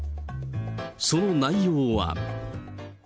その内容は。